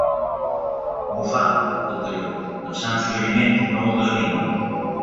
Bufa! —el tallo, pensant suggeriment no el desanima.